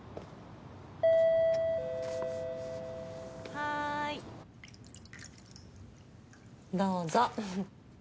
・はい・どうぞ。